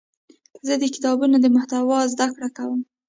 زه د کتابونو د محتوا زده کړه کوم.